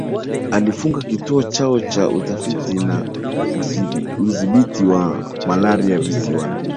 Alifunga kituo chao cha Utafiti na Udhibiti wa malaria Visiwani